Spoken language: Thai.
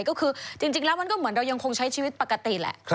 ก็คือจริงแล้วมันก็เหมือนเรายังคงใช้ชีวิตปกติแหละ